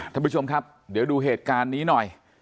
ท่านผู้ชมครับเดี๋ยวดูเหตุการณ์นี้หน่อย